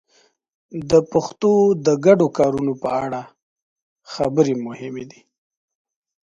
د پښتو د ګډو کارونو په اړه خبرې مهمې دي.